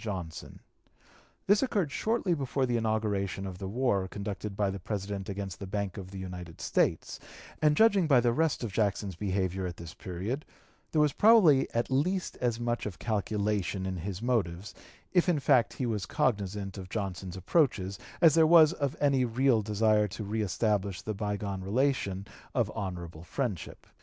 Johnson. This occurred shortly before the inauguration of the war conducted by the President against the Bank of the United States; and judging by the rest of Jackson's behavior at this period, there was probably at least as much of calculation in his motives, if in fact he was cognizant of Johnson's approaches, as there was of any real desire to reëstablish the bygone relation of honorable friendship.